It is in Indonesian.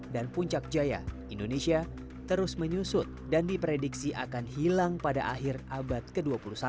dan puncak jaya indonesia terus menyusut dan diprediksi akan hilang pada akhir abad ke dua puluh satu